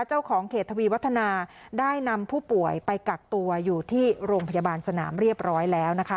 เจ้าของเขตทวีวัฒนาได้นำผู้ป่วยไปกักตัวอยู่ที่โรงพยาบาลสนามเรียบร้อยแล้วนะคะ